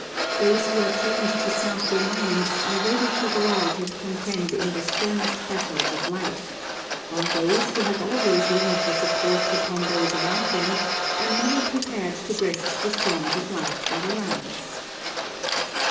Those who are trained to self reliance are ready to go out and contend in the sternest battles of life; while those who have always leaned for support upon those around them are never prepared to breast the storms of life that arise.